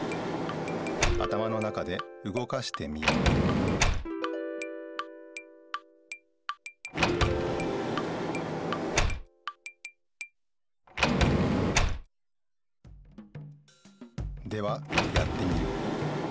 頭の中でうごかしてみよではやってみる。